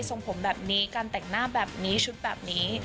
ส่งผมแบบนี้การแต่งหน้าแบบนี้ชุดแบบนี้